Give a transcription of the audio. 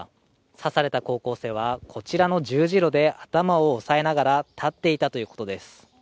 刺された高校生はこちらの十字路で頭を押さえながら立っていたということです。